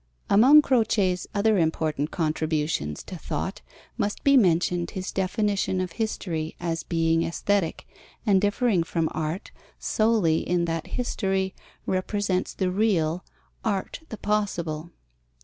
Among Croce's other important contributions to thought must be mentioned his definition of History as being aesthetic and differing from Art solely in that history represents the real, art the possible.